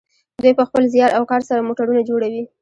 دوی په خپل زیار او کار سره موټرونه جوړوي.